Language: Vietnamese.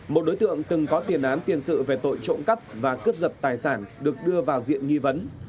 một đối tượng từng có tiền án tiền sự về tội trộm cắp và cướp giật tài sản được đưa vào diện nghi vấn